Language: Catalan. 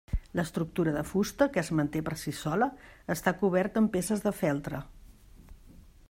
L'estructura de fusta, que es manté per si sola, està coberta amb peces de feltre.